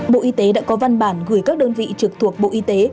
bộ y tế đã có văn bản gửi các đơn vị trực thuộc bộ y tế